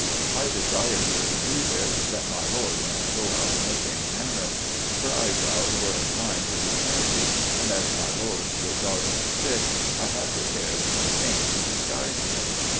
I desired her to do this that my lord might go out in the same manner. Her eyebrows were inclined to be sandy, and as my lord's were dark and thick, I had prepared some paint to disguise him.